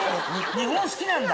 日本好きなんだ！